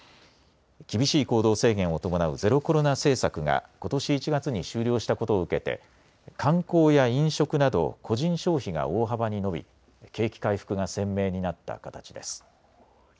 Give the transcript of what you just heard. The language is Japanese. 厳しい行動制限を伴うゼロコロナ政策がことし１月に終了したことを受けて観光や飲食など個人消費が大幅に伸び景気回復が鮮明になった形です。